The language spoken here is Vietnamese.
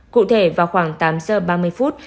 cụ thể vào khoảng tám giờ ba mươi phút